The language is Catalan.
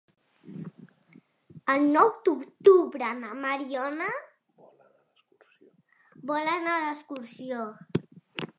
El nou d'octubre na Mariona vol anar d'excursió.